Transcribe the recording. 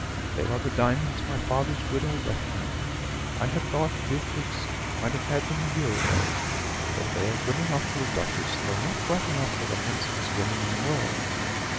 They are the diamonds my father's widow left me. I had thought Beatrix might have had them a year ago; but they are good enough for a duchess, though not bright enough for the handsomest woman in the world."